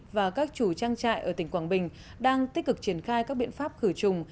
và các chủ trang trại ở tỉnh quảng bình đang tích cực triển khai các biện pháp khử trùng